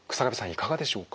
いかがでしょうか？